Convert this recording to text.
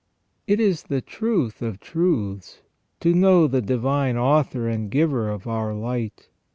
It is the truth of truths to know the Divine Author and Giver of our light.